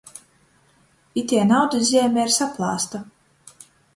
Itei naudys zeime ir saplāsta.